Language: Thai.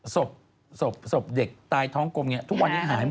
ศพศพเด็กตายท้องกลมอย่างนี้ทุกวันนี้หายหมด